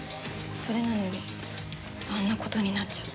それなのにあんな事になっちゃって。